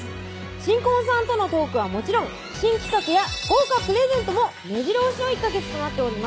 新婚さんとのトークはもちろん新企画や豪華プレゼントもめじろ押しの１ヵ月となっております